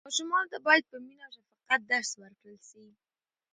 ماشومانو ته باید په مینه او شفقت درس ورکړل سي.